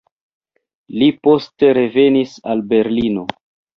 Li poste revenis al Berlino.